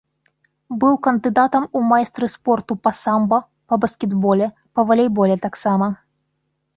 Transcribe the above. Быў кандыдатам у майстры спорту па самба, па баскетболе, па валейболе таксама.